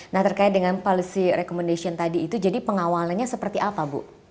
nah terkait dengan policy recommendation tadi itu jadi pengawalannya seperti apa bu